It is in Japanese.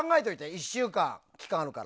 １週間、期間あるから。